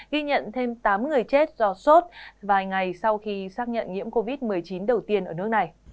ghi nhận thêm tám người chết do sốt vài ngày sau khi xác nhận nhiễm covid một mươi chín đầu tiên ở nước này